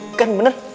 eh tuh kan bener